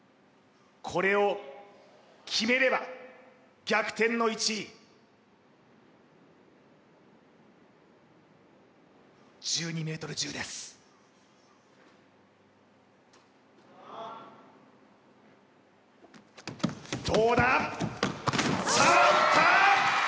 これを決めれば逆転の１位１２ｍ１０ですどうだ？